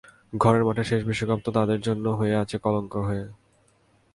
ঘরের মাঠে শেষ বিশ্বকাপ তো তাদের জন্য হয়ে আছে কলঙ্ক হয়ে।